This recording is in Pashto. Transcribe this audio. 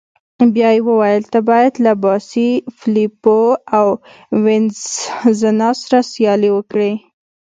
بیا يې وویل: ته باید له باسي، فلیپو او وینسزنا سره سیالي وکړې.